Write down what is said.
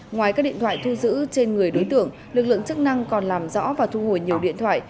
ngoài các điện thoại thu giữ trên người đối tượng lực lượng chức năng còn làm rõ và thu hồi nhiều điện thoại